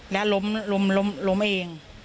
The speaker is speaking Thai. แล้วล้มล้มล้มล้มเอง